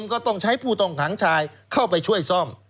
ก็ต้องใช้ผู้ต้องขังชายเข้าไปช่วยซ่อม